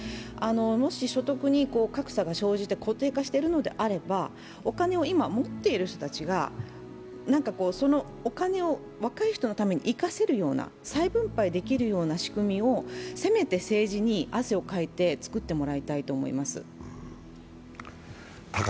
もし所得に格差が生じて固定化しているのであれば、お金を今持っている人たちがそのお金を若い人たちのために生かせるような再分配できるような仕組みをせめて政治に汗をかいて作ってもらいたいと思います。